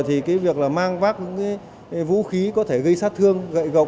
thì cái việc là mang vác những cái vũ khí có thể gây sát thương gậy gọc